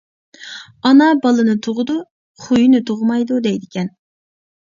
ئانا بالىنى تۇغىدۇ، خۇيىنى تۇغمايدۇ دەيدىكەن.